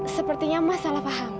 sepertinya mas salah faham